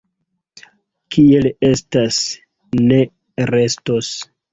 Kiel estas, ne restos.